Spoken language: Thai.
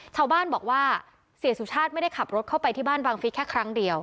ชาวบ้านบอกว่าเสียสุชาติไม่ได้ขับรถเข้าไปที่บ้านบังฟิศแค่ครั้งเดียว